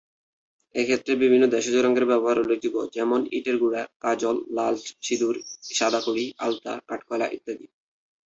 এক্ষেত্রে বিভিন্ন দেশজ রঙের ব্যবহার উল্লেখযোগ্য; যেমন: ইটের গুঁড়া, কাজল, লাল সিঁদুর, সাদা খড়ি, আলতা, কাঠ-কয়লা ইত্যাদি।